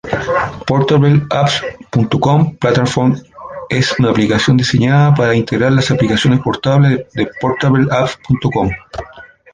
PortableApps.com Platform es una aplicación diseñada para integrar las aplicaciones portables de PortableApps.com.